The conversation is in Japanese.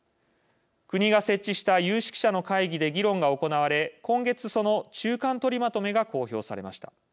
国が設置した有識者の会議で議論が行われ今月、その中間取りまとめが公表されました。